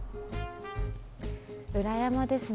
裏山ですね